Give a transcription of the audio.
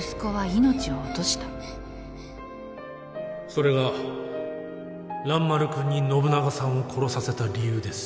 それが蘭丸君に信長さんを殺させた理由です。